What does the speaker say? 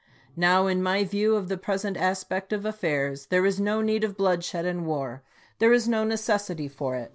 Now, in my view of the present aspect of affairs, there is no need of bloodshed and war. There is no necessity for it.